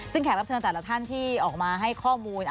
ซึ่งแขกรับเชิญแต่ละท่านที่ออกมาให้ข้อมูล